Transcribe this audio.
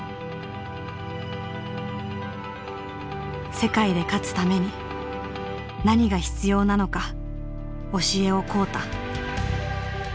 世界で勝つために何が必要なのか教えを請うた。